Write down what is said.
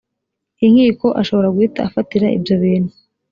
inkiko ashobora guhita afatira ibyo bintu